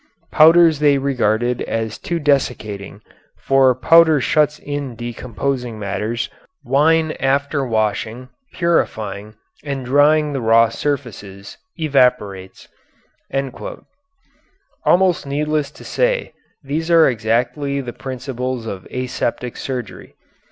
Powders they regarded as too desiccating, for powder shuts in decomposing matters; wine after washing, purifying, and drying the raw surfaces evaporates. Almost needless to say these are exactly the principles of aseptic surgery.